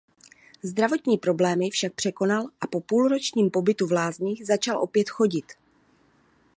Zdravotní problémy však překonal a po půlročním pobytu v lázních začal opět chodit.